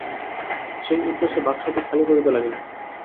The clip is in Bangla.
সেই উদ্দেশে বাক্সটি খালি করিতে লাগিলেন।